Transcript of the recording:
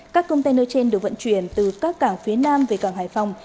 các container trên được vận chuyển từ các cảng phía nam về cảng hải phòng